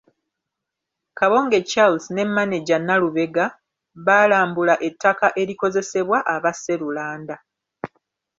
Kabonge Charles ne Maneja Nalubega baalambula ettaka erikozesebwa aba Sserulanda.